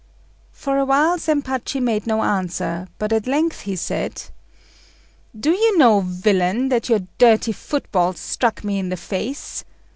For a while Zempachi made no answer, but at length he said "Do you know, villain, that your dirty football struck me in the face?